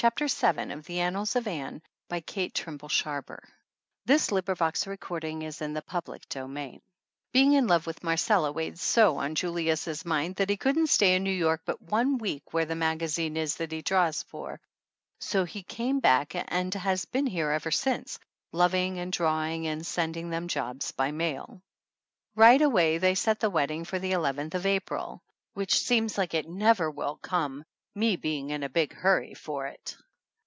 This won her. It was enough to win anybody, coining from an artist, and good looking at that. 119 CHAPTER VII BEING in love with Marcella weighed so on Julius' mind that he couldn't stay in New York but one week where the maga zine is that he draws for, so he came back and has been here ever since, loving and drawing and sending them the jobs by mail. Right away they set the wedding for the eleventh of April, which seems like it never will come, me being in a big hurry for it.